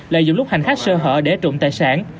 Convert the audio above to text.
lợi dụng lúc hành khách sơ hợi để trộn tài sản